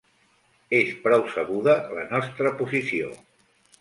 És prou sabuda la nostra posició.